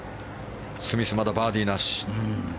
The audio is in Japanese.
スミス、まだバーディーなし。